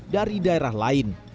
dari daerah lain